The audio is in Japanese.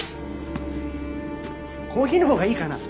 コーヒーのほうがいいかな？